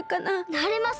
なれます！